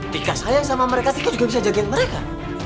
tika sayang sama mereka tika juga bisa jagain mereka